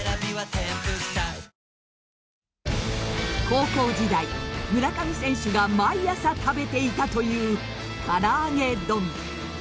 高校時代、村上選手が毎朝食べていたというからあげ丼。